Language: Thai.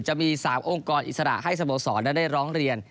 จะมี๓องค์กรอิสระให้สโมสรนั้นได้ร้องเรียน